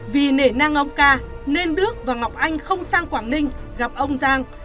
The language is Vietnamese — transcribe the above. vì nể nang ông ca nên đức và ngọc anh không sang quảng ninh gặp ông giang